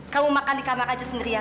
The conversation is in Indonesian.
kamu makan di kamar aja sendirian